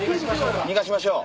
逃がしましょう。